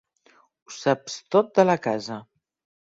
Ho saps tot de la casa.